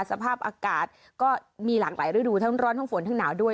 สภาพอากาศก็มีหลากหลายฤดูทั้งร้อนทั้งฝนทั้งหนาวด้วย